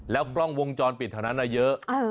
แล้วปล้องวงจรปิดเท่านั้นอะเยอะ